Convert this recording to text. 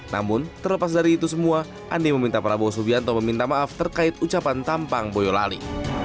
namun terlepas dari itu semua andi meminta prabowo subianto meminta maaf terkait ucapan tampang boyolali